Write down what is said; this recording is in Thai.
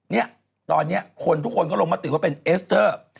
เนี่ยตอนนี้คนทุกคนก็ลงมติว่าเป็นเอสเตอร์